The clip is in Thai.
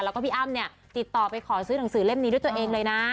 แล้วก็พี่อ้ำเนี่ยติดต่อไปขอซื้อหนังสือเล่มนี้ด้วยตัวเองเลยนะ